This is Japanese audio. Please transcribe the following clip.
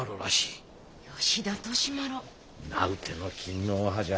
名うての勤皇派じゃ。